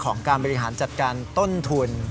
ของการบริหารจัดการต้นทุน